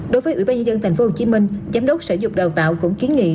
đối với ủy ban nhân dân tp hcm giám đốc sở dục đào tạo cũng kiến nghị